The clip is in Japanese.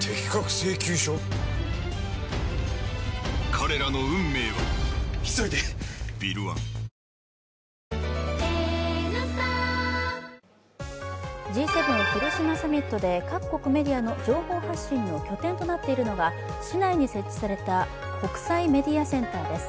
この肌とあと５０年その場しのぎじゃない一生ものの素肌Ｇ７広島サミットで各国メディアの情報発信の拠点となっているのが市内に設置された国際メディアセンターです。